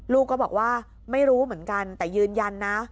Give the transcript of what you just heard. ลูกก็บอกว่าไม่รู้เหมือนกันแต่ยืนยันนะ